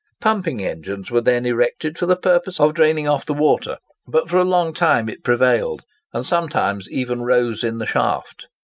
Pumping engines were then erected for the purpose of draining off the water, but for a long time it prevailed, and sometimes even rose in the shaft.